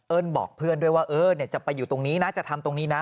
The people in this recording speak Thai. บอกเพื่อนด้วยว่าจะไปอยู่ตรงนี้นะจะทำตรงนี้นะ